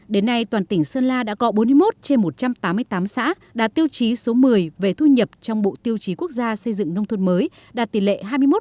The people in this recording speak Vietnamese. đến nay toàn tỉnh sơn la đã có bốn mươi một trên một trăm tám mươi tám xã đã tiêu chí số một mươi về thu nhập trong bộ tiêu chí quốc gia xây dựng nông thôn mới đạt tỷ lệ hai mươi một